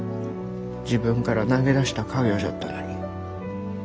自分から投げ出した家業じゃったのに。